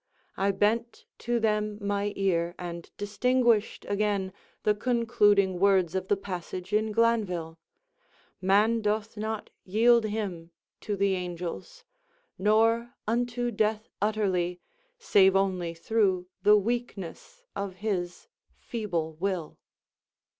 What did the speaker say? I bent to them my ear and distinguished, again, the concluding words of the passage in Glanvill—"Man doth not yield him to the angels, nor unto death utterly, save only through the weakness of his feeble will."